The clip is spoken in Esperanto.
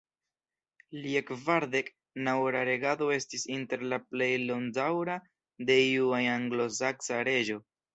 Lia kvardek-naŭa regado estis inter la plej longdaŭra de iu ajn anglosaksa reĝo.